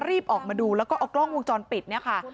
รีบออกมาดูแล้วก็เอากล้องวงจรปิดเนี่ยค่ะ